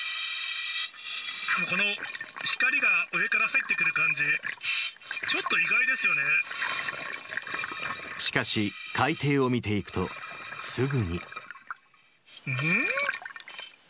この光が上から入ってくる感じ、しかし、海底を見ていくと、ん？